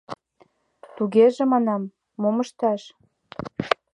— Тугеже, — манам, — мом ышташ?